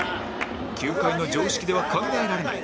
球界の常識では考えられない